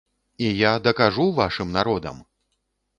І я дакажу вашым народам!